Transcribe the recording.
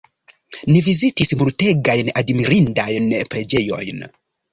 Ni vizitis multegajn admirindajn preĝejojn.